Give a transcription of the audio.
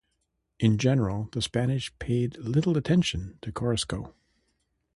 In general the Spanish paid little attention to Corisco.